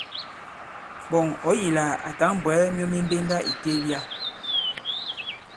Ɓɔ̀ŋ ɔ̌ yī lā à tǎŋ bwɛ̀ɛ myu mi mbenda ì teliya.